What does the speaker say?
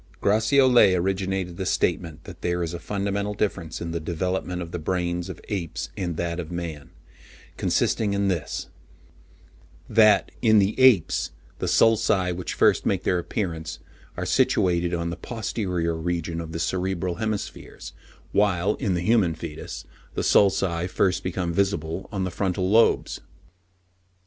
Gratiolet originated the statement that there is a fundamental difference in the development of the brains of apes and that of man—consisting in this; that, in the apes, the sulci which first make their appearance are situated on the posterior region of the cerebral hemispheres, while, in the human foetus, the sulci first become visible on the frontal lobes.